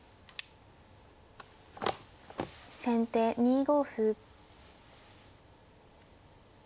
先手２五歩。